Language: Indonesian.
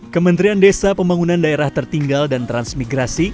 kementerian desa pembangunan daerah tertinggal dan transmigrasi